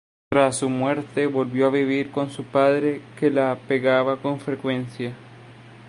Tras su muerte, volvió a vivir con su padre, que la pegaba con frecuencia.